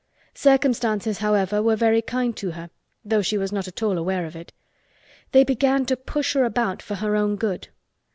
Circumstances, however, were very kind to her, though she was not at all aware of it. They began to push her about for her own good.